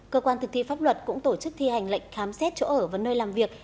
cơ quan thực thi pháp luật cũng tổ chức thi hành lệnh khám xét chỗ ở và nơi làm việc